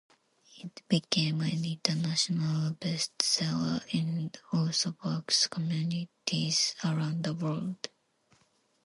It became an international bestseller in orthodox communities around the world.